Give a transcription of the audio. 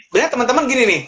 banyak temen temen gini nih